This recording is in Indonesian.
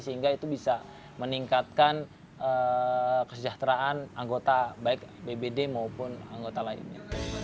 sehingga itu bisa meningkatkan kesejahteraan anggota baik bbd maupun anggota lainnya